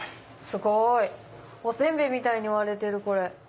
すごい。お煎餅みたいに割れてるこれ。